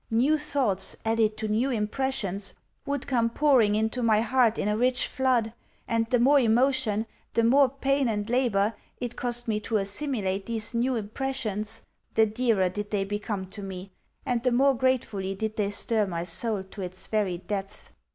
New thoughts, added to new impressions, would come pouring into my heart in a rich flood; and the more emotion, the more pain and labour, it cost me to assimilate these new impressions, the dearer did they become to me, and the more gratefully did they stir my soul to its very depths.